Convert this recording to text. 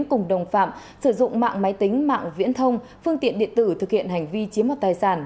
cùng đồng phạm sử dụng mạng máy tính mạng viễn thông phương tiện điện tử thực hiện hành vi chiếm một tài sản